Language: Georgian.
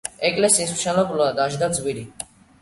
ეკლესიის მშენებლობა დაჯდა ძვირი.